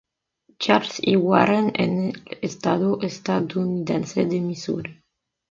Charles y Warren en el estado estadounidense de Misuri.